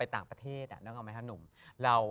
พี่ยังไม่ได้เลิกแต่พี่ยังไม่ได้เลิก